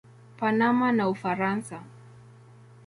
Panama na Ufaransa.